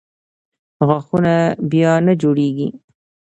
غاښونه بیا نه جوړېږي.